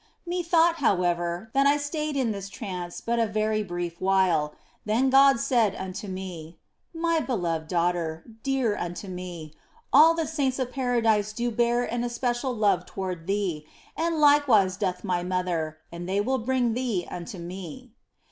Methought, however, that I stayed in this trance but a very brief while ; then said God unto me, " My be loved daughter, dear unto Me, all the saints of Paradise do bear an especial love toward thee, and likewise doth My mother, and they will bring thee unto Me."